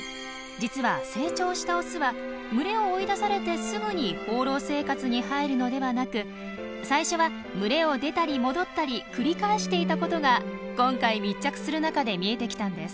実は成長したオスは群れを追い出されてすぐに放浪生活に入るのではなく最初は群れを出たり戻ったり繰り返していたことが今回密着する中で見えてきたんです。